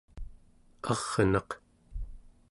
arnaq